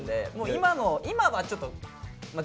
今の今のはちょっとま